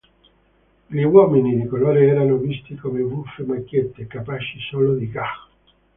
Gli uomini di colore erano visti come buffe macchiette, capaci solo di "gag".